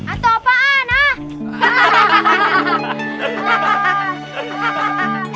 atau apaan ah